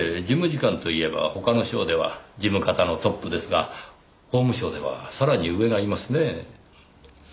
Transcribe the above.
事務次官といえば他の省では事務方のトップですが法務省ではさらに上がいますねぇ。